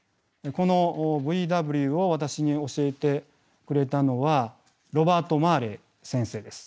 このＶＷを私に教えてくれたのはロバート・マーレー先生です。